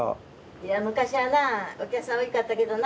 いや昔はなあお客さん多いかったけどな。